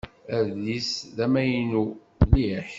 Adlis-a d amaynu mliḥ.